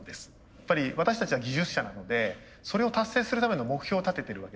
やっぱり私たちは技術者なのでそれを達成するための目標を立ててるわけですね。